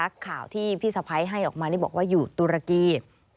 ข่าวที่พี่สะพ้ายให้ออกมานี่บอกว่าอยู่ตุรกี